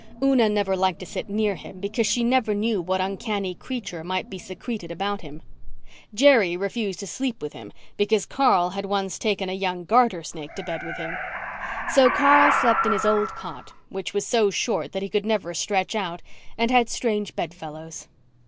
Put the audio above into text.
Una never liked to sit near him because she never knew what uncanny creature might be secreted about him. Jerry refused to sleep with him because Carl had once taken a young garter snake to bed with him; so Carl slept in his old cot, which was so short that he could never stretch out, and had strange bed fellows.